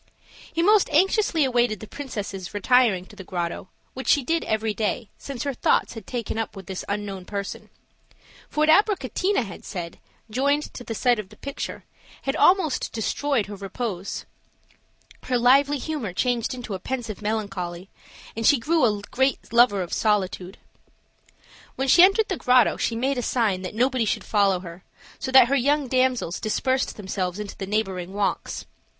He most anxiously waited the princess' retiring to the grotto, which she did every day since her thoughts had taken up with this unknown person; for what Abricotina had said, joined to the sight of the picture, had almost destroyed her repose: her lively humor changed into a pensive melancholy, and she grew a great lover of solitude. When she entered the grotto, she made a sign that nobody should follow her, so that her young damsels dispersed themselves into the neighboring walks.